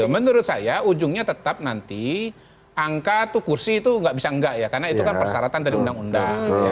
menurut saya ujungnya tetap nanti angka tuh kursi itu nggak bisa enggak ya karena itu kan persyaratan dari undang undang